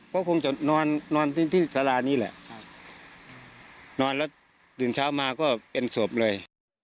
ก็คงจะนอนที่นี่นอนแล้วถึงเช้ามาก็เป็นศพเลย